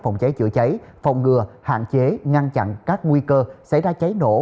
phòng cháy chữa cháy phòng ngừa hạn chế ngăn chặn các nguy cơ xảy ra cháy nổ